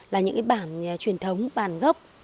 là những bản truyền thống bản gốc